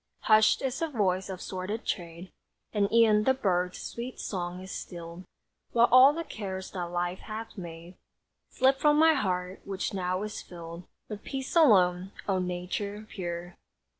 Hushed is the voice of sordid trade, And e'en the birds' sweet song is stilled; While all the cares that Life hath made Slip from my heart, which now is filled With peace alone. O Nature pure!